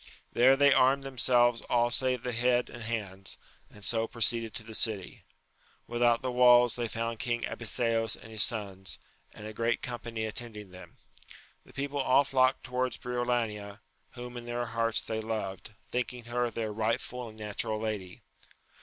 There they armed themselves all save the head and hands, and so proceeded to the city. Without the walls they found King Abiseos and his sons, and a great com pany attending them : the people all flocked towards Briolania, whom in their hearts they loved, thinking her their rightful and natural lady.